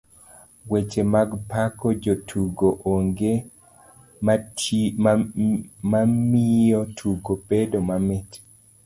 Weche mag pako jotugo onge mamiyo tugo bedo mamit.